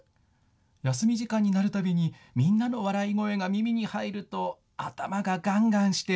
休み時間になるたびにみんなの笑い声が耳に入ると頭ががんがんして。